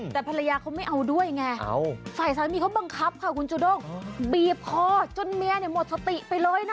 แต่ภรรยาเขาไม่เอาด้วยไงฝ่ายสามีเขาบังคับค่ะคุณจูด้งบีบคอจนเมียเนี่ยหมดสติไปเลยนะ